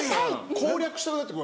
攻略したくなって来る。